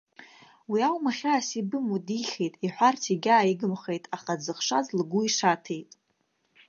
Уи аума хьаас ибымоу, дихеит, иҳәарц егьааигымхеит, аха дзыхшаз лгәы ишаҭеит.